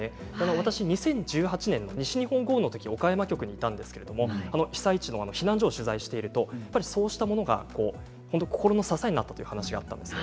私は２０１８年の西日本豪雨のときに岡山局にいたんですが被災地の避難所を取材しているとそうしたものが心の支えになったという話だったんです。